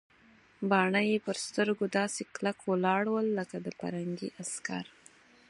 باڼه یې پر سترګو داسې کلک ولاړ ول لکه د پرنګي عسکر.